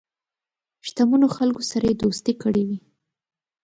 شته منو خلکو سره یې دوستی کړې وي.